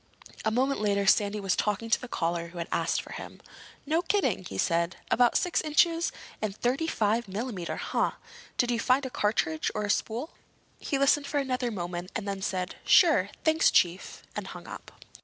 A moment later Sandy was talking to the caller who had asked for him. "No kidding?" he said. "About six inches? And thirty five millimeter, huh? Did you find a cartridge or a spool?" He listened for another moment and then said "Sure. Thanks, Chief," and hung up.